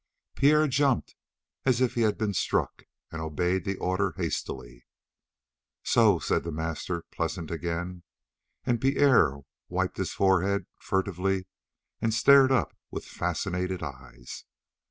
Pierre jumped as if he had been struck, and obeyed the order hastily. "So," said the master, pleasant again, and Pierre wiped his forehead furtively and stared up with fascinated eyes.